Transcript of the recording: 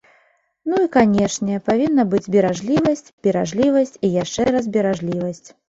Ну, і, канешне, павінна быць беражлівасць, беражлівасць і яшчэ раз беражлівасць.